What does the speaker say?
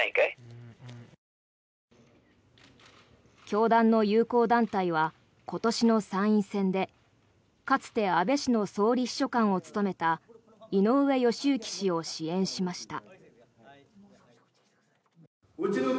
教団の友好団体は今年の参院選でかつて安倍氏の総理秘書官を務めた井上義行氏を支援しました。